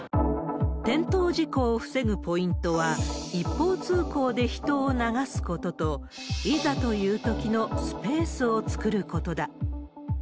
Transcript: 転倒事故を防ぐポイントは、一方通行で人を流すことと、いざというときのスペースを作ることだ。